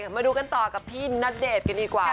มาดูกันต่อกับพี่ณเดชน์กันดีกว่า